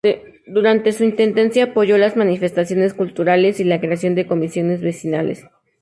Durante su intendencia apoyó las manifestaciones culturales y la creación de comisiones vecinales.